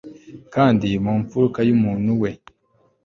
Kandi mu mfuruka yumuntu we